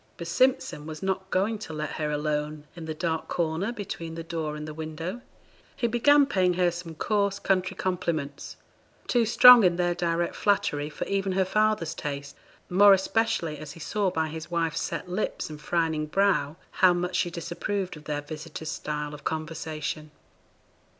But Simpson was not going to let her alone in the dark corner between the door and the window. He began paying her some coarse country compliments too strong in their direct flattery for even her father's taste, more especially as he saw by his wife's set lips and frowning brow how much she disapproved of their visitor's style of conversation.